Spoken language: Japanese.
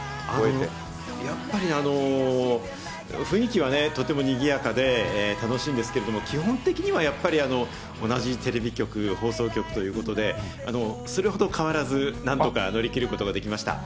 やっぱり、雰囲気はね、とてもにぎやかで楽しいんですけれども、基本的にはやっぱり、同じテレビ局、放送局ということで、それほど変わらず、なんとか乗り切ることができました。